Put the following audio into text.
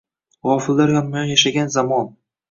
Gʻofillar yonma-yon yashagan zamon.